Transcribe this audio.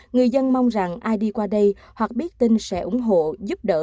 người dân mong rằng ai đi qua đây hoặc biết tin sẽ ủng hộ giúp đỡ